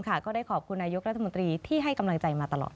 ก็ได้ขอบคุณนายกรัฐมนตรีที่ให้กำลังใจมาตลอด